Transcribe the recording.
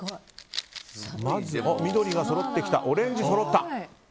まず緑がそろってきたオレンジそろった。